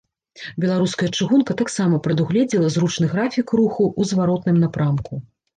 Беларуская чыгунка таксама прадугледзела зручны графік руху ў зваротным напрамку.